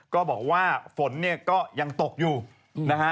ก็บอกว่าฝนเนี่ยก็ยังตกอยู่นะฮะ